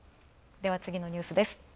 では次のニュースです。